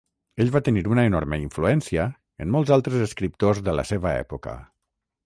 Ell va tenir una enorme influència en molts altres escriptors de la seva època.